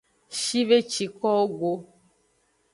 Shve ci kowo go.